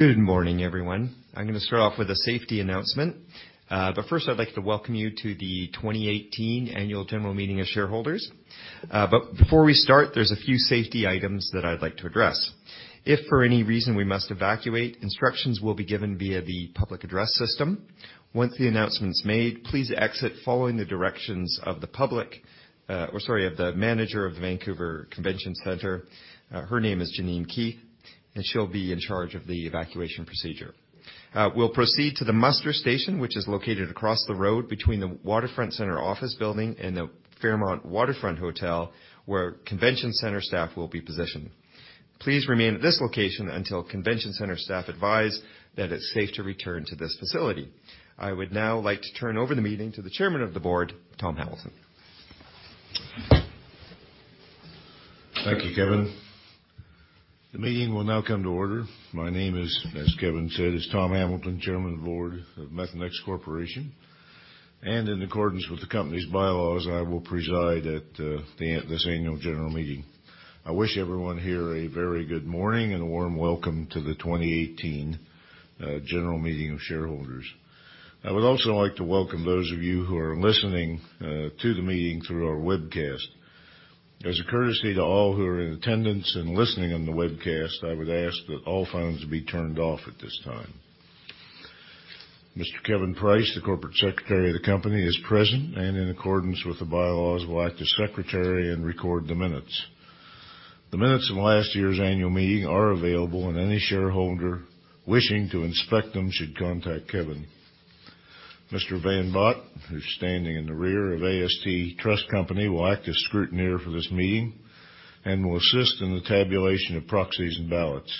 Good morning, everyone. I'm going to start off with a safety announcement. First, I'd like to welcome you to the 2018 Annual General Meeting of Shareholders. Before we start, there's a few safety items that I'd like to address. If for any reason we must evacuate, instructions will be given via the public address system. Once the announcement is made, please exit following the directions of the manager of the Vancouver Convention Center. Her name is Janine Key, and she'll be in charge of the evacuation procedure. We'll proceed to the muster station, which is located across the road between the Waterfront Center office building and the Fairmont Waterfront Hotel, where convention center staff will be positioned. Please remain at this location until convention center staff advise that it's safe to return to this facility. I would now like to turn over the meeting to the chairman of the board, Tom Hamilton. Thank you, Kevin. The meeting will now come to order. My name is, as Kevin said, Tom Hamilton, chairman of the board of Methanex Corporation. In accordance with the company's bylaws, I will preside at this annual general meeting. I wish everyone here a very good morning, and a warm welcome to the 2018 general meeting of shareholders. I would also like to welcome those of you who are listening to the meeting through our webcast. As a courtesy to all who are in attendance and listening on the webcast, I would ask that all phones be turned off at this time. Mr. Kevin Price, the corporate secretary of the company, is present, and in accordance with the bylaws, will act as secretary and record the minutes. The minutes of last year's annual meeting are available, and any shareholder wishing to inspect them should contact Kevin. Mr. Van Bott, who's standing in the rear of AST Trust Company, will act as scrutineer for this meeting and will assist in the tabulation of proxies and ballots.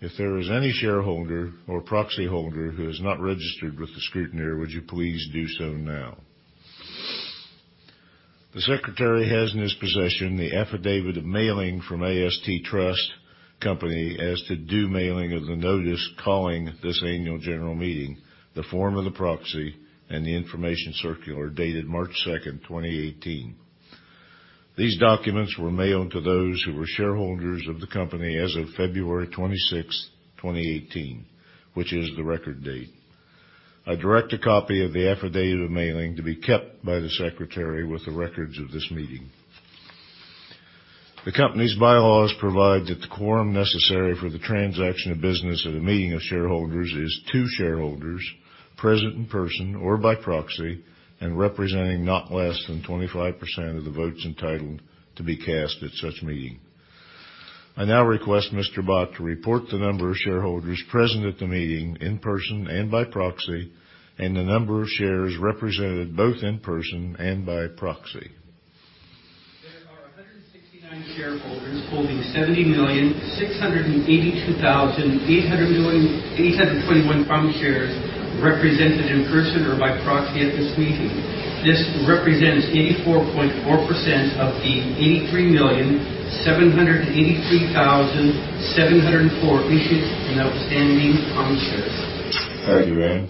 If there is any shareholder or proxy holder who is not registered with the scrutineer, would you please do so now. The secretary has in his possession the affidavit of mailing from AST Trust Company as to due mailing of the notice calling this annual general meeting, the form of the proxy, and the information circular dated March 2nd, 2018. These documents were mailed to those who were shareholders of the company as of February 26th, 2018, which is the record date. I direct a copy of the affidavit of mailing to be kept by the secretary with the records of this meeting. The company's bylaws provide that the quorum necessary for the transaction of business at a meeting of shareholders is two shareholders, present in person or by proxy, and representing not less than 25% of the votes entitled to be cast at such meeting. I now request Mr. Bott to report the number of shareholders present at the meeting in person and by proxy, and the number of shares represented both in person and by proxy. There are 169 shareholders holding 70,682,821 common shares represented in person or by proxy at this meeting. This represents 84.4% of the 83,783,704 issued and outstanding common shares. Thank you, Van.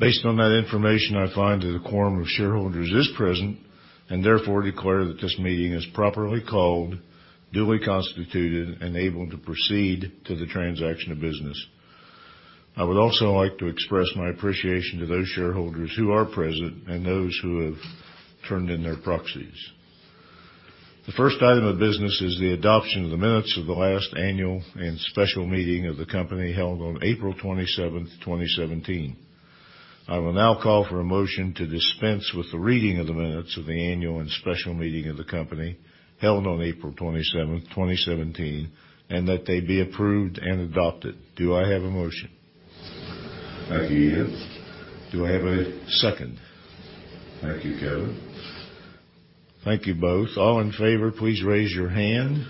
Based on that information, I find that a quorum of shareholders is present, therefore declare that this meeting is properly called, duly constituted, and able to proceed to the transaction of business. I would also like to express my appreciation to those shareholders who are present and those who have turned in their proxies. The first item of business is the adoption of the minutes of the last annual and special meeting of the company held on April 27th, 2017. I will now call for a motion to dispense with the reading of the minutes of the annual and special meeting of the company held on April 27th, 2017, that they be approved and adopted. Do I have a motion? Thank you. Do I have a second? Thank you, Kevin. Thank you both. All in favor, please raise your hand.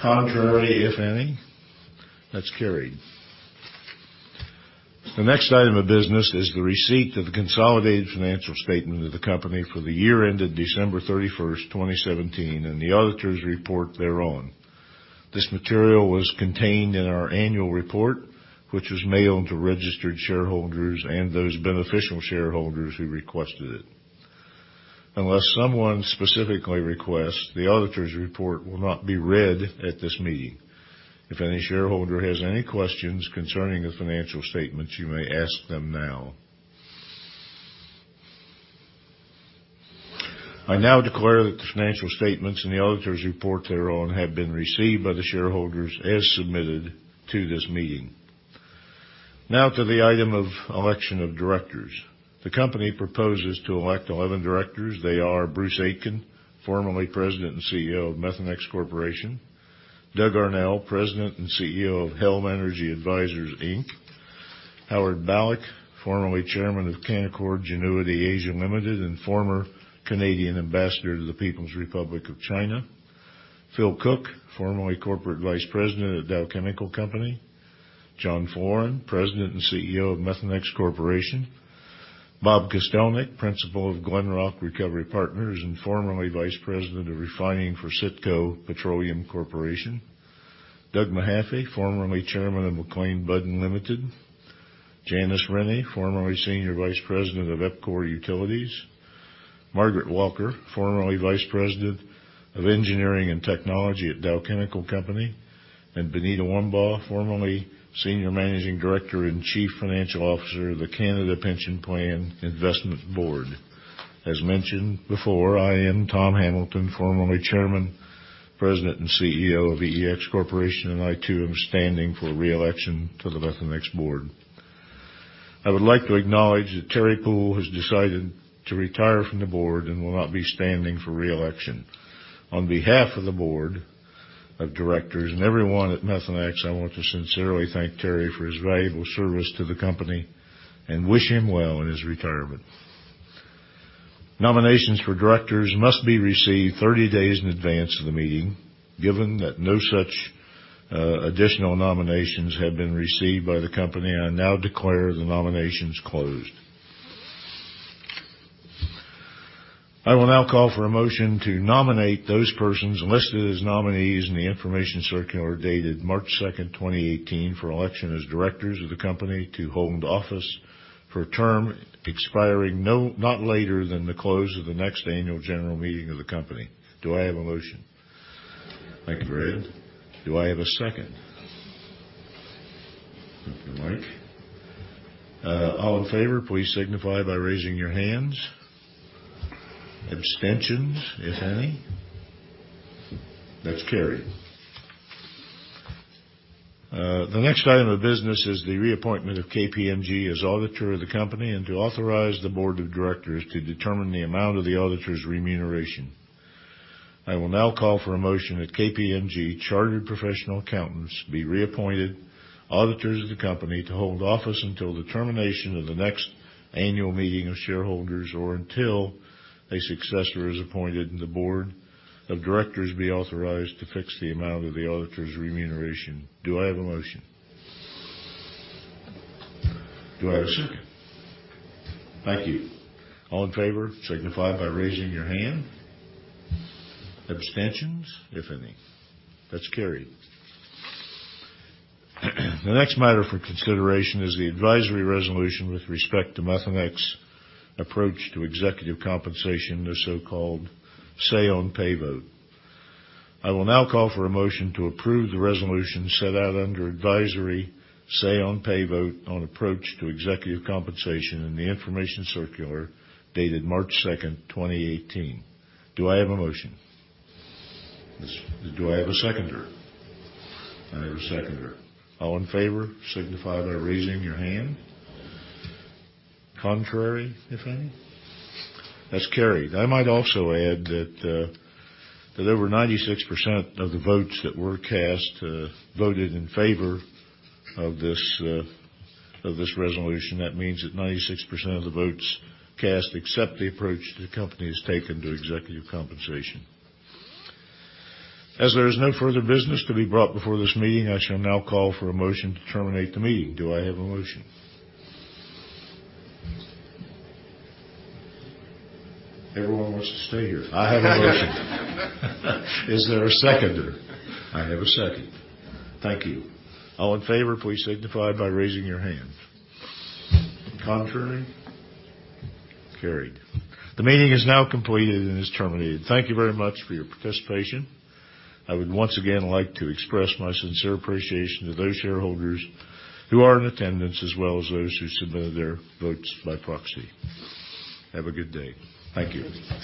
Contrary, if any? That's carried. The next item of business is the receipt of the consolidated financial statement of the company for the year ended December 31st, 2017, and the auditor's report thereon. This material was contained in our annual report, which was mailed to registered shareholders and those beneficial shareholders who requested it. Unless someone specifically requests, the auditor's report will not be read at this meeting. If any shareholder has any questions concerning the financial statements, you may ask them now. I now declare that the financial statements and the auditor's report thereon have been received by the shareholders as submitted to this meeting. Now to the item of election of directors. The company proposes to elect 11 directors. They are Bruce Aitken, formerly president and CEO of Methanex Corporation. Doug Arnell, president and CEO of Helm Energy Advisors, Inc. Howard Balloch, formerly Chairman of Canaccord Genuity Asia Limited and former Canadian ambassador to the People's Republic of China. Phil Cook, formerly corporate vice president of The Dow Chemical Company. John Floren, President and CEO of Methanex Corporation. Bob Kostelnik, principal of GlenRock Recovery Partners and formerly vice president of refining for CITGO Petroleum Corporation. Doug Mahaffey, formerly Chairman of McLean Budden Limited. Janice Rennie, formerly Senior Vice President of EPCOR Utilities. Margaret Walker, formerly Vice President of Engineering and Technology at The Dow Chemical Company. Benita Warmbold, formerly Senior Managing Director and Chief Financial Officer of the Canada Pension Plan Investment Board. As mentioned before, I am Tom Hamilton, formerly Chairman, President, and CEO of Methanex Corporation, and I too am standing for re-election to the Methanex board. I would like to acknowledge that Terry Poole has decided to retire from the board and will not be standing for re-election. On behalf of the board of directors and everyone at Methanex, I want to sincerely thank Terry for his valuable service to the company and wish him well in his retirement. Nominations for directors must be received 30 days in advance of the meeting. Given that no such additional nominations have been received by the company, I now declare the nominations closed. I will now call for a motion to nominate those persons listed as nominees in the information circular dated March 2nd, 2018, for election as directors of the company to hold office for a term expiring not later than the close of the next annual general meeting of the company. Do I have a motion? Thank you, Brad. Do I have a second? Dr. Mike. All in favor, please signify by raising your hands. Abstentions, if any? That's carried. The next item of business is the reappointment of KPMG as auditor of the company and to authorize the board of directors to determine the amount of the auditor's remuneration. I will now call for a motion that KPMG Chartered Professional Accountants be reappointed auditors of the company to hold office until the termination of the next annual meeting of shareholders or until a successor is appointed, and the board of directors be authorized to fix the amount of the auditor's remuneration. Do I have a motion? Do I have a second? Thank you. All in favor, signify by raising your hand. Abstentions, if any? That's carried. The next matter for consideration is the advisory resolution with respect to Methanex approach to executive compensation, the so-called say-on-pay vote. I will now call for a motion to approve the resolution set out under advisory say-on-pay vote on approach to executive compensation in the information circular dated March 2nd, 2018. Do I have a motion? Yes. Do I have a seconder? I have a seconder. All in favor, signify by raising your hand. Contrary, if any? That's carried. I might also add that over 96% of the votes that were cast voted in favor of this resolution. That means that 96% of the votes cast accept the approach the company has taken to executive compensation. As there is no further business to be brought before this meeting, I shall now call for a motion to terminate the meeting. Do I have a motion? Everyone wants to stay here. I have a motion. Is there a seconder? I have a second. Thank you. All in favor, please signify by raising your hand. Contrary? Carried. The meeting is now completed and is terminated. Thank you very much for your participation. I would once again like to express my sincere appreciation to those shareholders who are in attendance, as well as those who submitted their votes by proxy. Have a good day. Thank you.